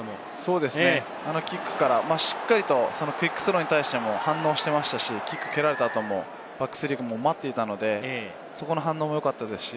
そうですね、しっかりクイックスローに対しても反応していましたし、キックを蹴られた後もバックスリーも待っていましたので、そこも良かったですね。